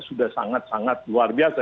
sudah sangat sangat luar biasa